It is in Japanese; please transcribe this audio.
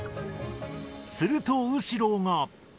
すると、後呂が。